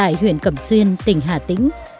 bốn anh chị em tại huyện cẩm xuyên tỉnh hà tĩnh